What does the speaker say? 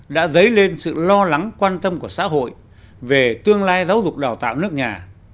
đã dấy lên sự lo lắng quan tâm của xã hội về tương lai giáo dục đào tạo nước nhà